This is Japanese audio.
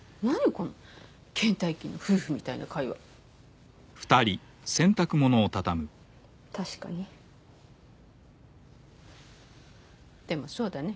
このけん怠期の夫婦みたいな会話確かにでもそうだね